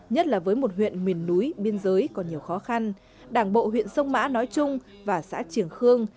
nhất là với một huyện miền núi biên giới còn nhiều khó khăn đảng bộ huyện sông mã nói chung và xã triển khương